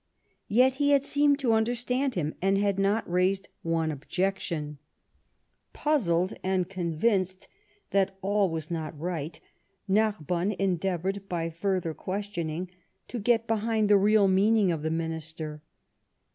Yet he had seemed to understand him — and had not raised one objection. Puzzled, convinced that all was not right, Narbonne endeavoured, by further questioning, to get behind the real meaning of the Minister.